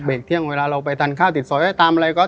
เบรกเที่ยงเวลาเราไปทานข้าวติดซอยไว้ตามอะไร